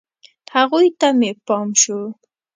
هغوی ته مې پام شو.